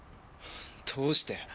どうして！？